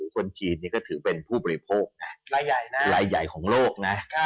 คนจีนนี่ก็ถือเป็นผู้บริโภคนะรายใหญ่ของโลกนะ